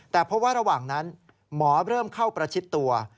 แต่เพราะว่าระหว่างนั้นหมอเริ่มเข้าประชิดตัว